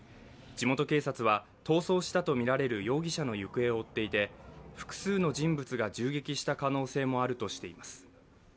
地元警察は逃走したとみられる容疑者の行方を追っていて複数の人物が銃撃した可能性もあるとしています。